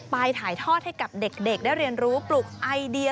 ถ่ายทอดให้กับเด็กได้เรียนรู้ปลุกไอเดีย